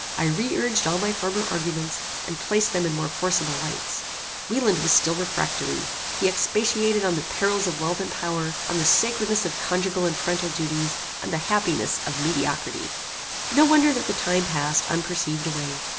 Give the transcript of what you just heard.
I re urged all my former arguments, and placed them in more forcible lights. Wieland was still refractory. He expatiated on the perils of wealth and power, on the sacredness of conjugal and parental duties, and the happiness of mediocrity. "No wonder that the time passed, unperceived, away.